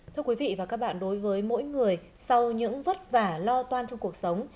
thưa quý vị và các bạn đối với mỗi người sau những vất vả lo toan trong cuộc sống